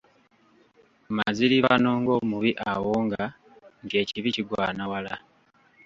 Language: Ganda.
Maziribano ng'omubi awonga nti ekibi kigwana wala.